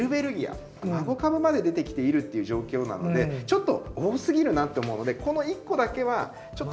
孫株まで出てきているっていう状況なのでちょっと多すぎるなって思うのでこの１個だけは。